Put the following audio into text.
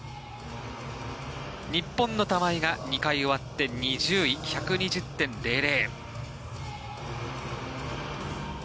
日本の玉井が２回終わって２０位１２０．００。